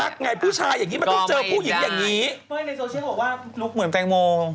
คุณแจ้งไม้ในโซเชียลบอกว่าลุคเหมือนแตงโม